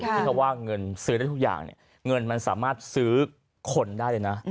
ที่เขาว่าเงินซื้อได้ทุกอย่างเนี่ยเงินมันสามารถซื้อคนได้เลยนะ